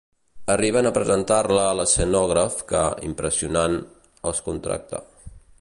Arriben a presentar-la a l'escenògraf que, impressionat, els contracta.